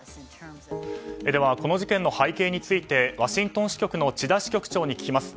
この事件の背景についてワシントン支局の千田支局長に聞きます。